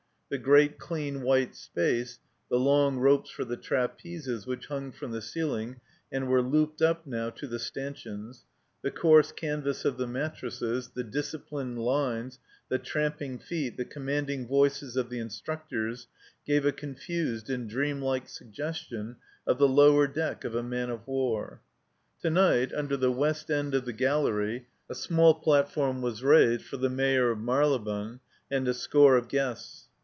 The great dean white space, the long ropes for the trapezes which hung from the ceiling and were looped up now to the stanchions, the coarse canvas of the mattresses, the disciplined lines, the tramping feet, the commanding voices of the instructors, gave a confused and dreamlike suggestion of the lower deck of a man of war. To night, under the west end of the gallery, a small platform was raised for the Mayor of Marylebone and a score of guests.